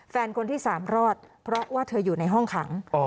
คนที่๓รอดเพราะว่าเธออยู่ในห้องขัง